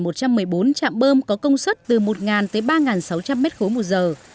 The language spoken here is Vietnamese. một trăm một mươi bốn trạm bơm có công suất từ một tới ba sáu trăm linh m ba một giờ